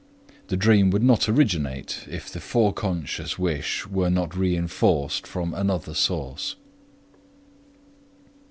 The dream would not originate if the foreconscious wish were not reinforced from another source.